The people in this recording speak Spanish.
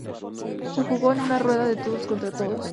Se jugó en una rueda de todos contra todos.